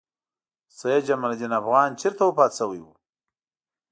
سیدجمال الدین افغان چېرته وفات شوی و؟